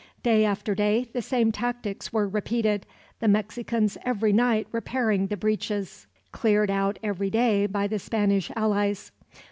Day after day the same tactics were repeated, the Mexicans every night repairing the breaches cleared out every day by the Spanish allies.